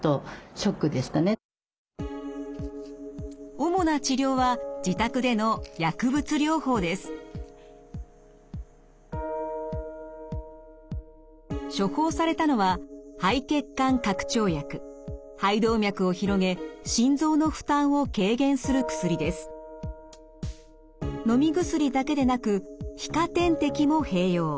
主な治療は自宅での処方されたのは肺動脈を広げ心臓の負担を軽減する薬です。のみ薬だけでなく皮下点滴も併用。